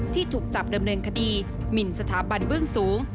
ถูกจับดำเนินคดีหมินสถาบันเบื้องสูง